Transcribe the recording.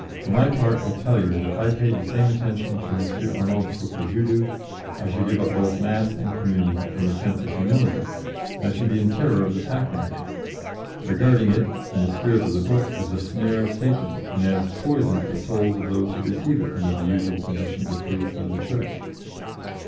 . For my part, I tell you that if I paid the same attention to M. Arnauld's book as you do, I should give up both Mass and Communion from a sense of humility, and I should be in terror of the Sacrament, regarding it, in the spirit of the book, as a snare of Satan and as poison to the souls of those who receive it under the usual conditions approved by the Church.